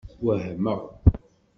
Wehmeɣ.